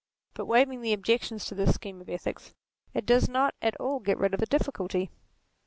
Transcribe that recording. But waving the objections to this scheme of ethics, it does not at all get rid of the difficulty.